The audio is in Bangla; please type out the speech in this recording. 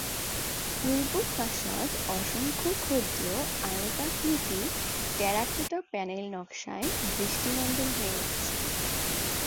পূর্ব ফাসাদ অসংখ্য ক্ষুদ্র আয়তাকৃতির টেরাকোটা প্যানেল নকশায় দৃষ্টিনন্দন হয়ে উঠেছে।